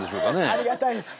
ありがたいです。